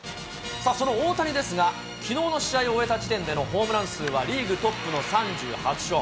その大谷ですが、きのうの試合を終えた時点のホームラン数はリーグトップの３８本。